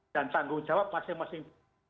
dan tanggung jawab masing masing